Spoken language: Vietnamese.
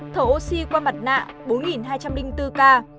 thở oxy qua mặt nạ bốn hai trăm linh bốn ca